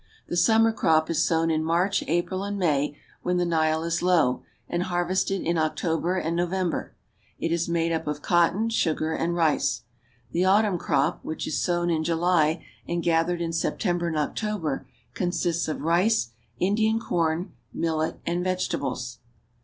The summer crop is sown in March, April, and May, when the Nile is low, and harvested in October and November ; it is made up of cotton, sugar, and rice. The autumn crop, which is sown in July and gathered in September and October, consists of rice, Indian corn, millet, and vegetables.